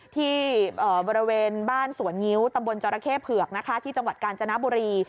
ที่บริเวณบ้านสวนงิ้วตำบลจรเข้เผือกนะคะที่จังหวัดกาญจนบุรี